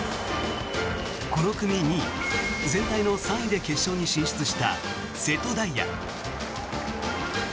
この組２位、全体の３位で決勝に進出した瀬戸大也。